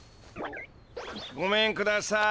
ごめんください。